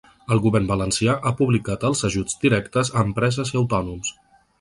El govern valencià ha publicat els ajuts directes a empreses i autònoms.